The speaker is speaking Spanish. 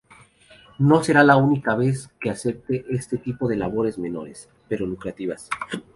No será la única vez que acepte este tipo de labores "menores", pero lucrativas.